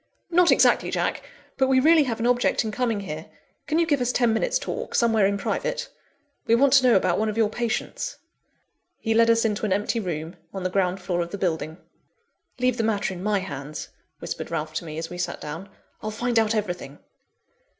"Not exactly, Jack! But we really have an object in coming here. Can you give us ten minutes' talk, somewhere in private? We want to know about one of your patients." He led us into an empty room, on the ground floor of the building. "Leave the matter in my hands," whispered Ralph to me, as we sat down. "I'll find out everything."